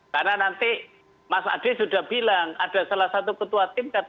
karena nanti kita akan melakukan kajian kajian yang dianggap ini atau multi tafsir atau bisa menjadi pasal karet